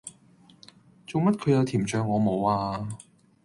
做乜佢有甜醬我冇呀